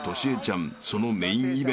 ［そのメインイベントは］